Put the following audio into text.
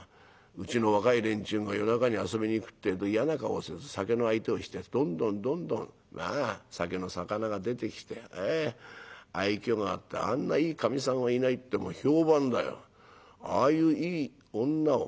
うちの若い連中が夜中に遊びに行くってえと嫌な顔せず酒の相手をしてどんどんどんどん酒の肴が出てきて愛きょうがあってあんないいかみさんはいないって評判だよああいういい女を